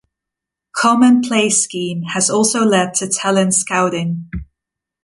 'Come and Play Scheme' has also led to talent scouting.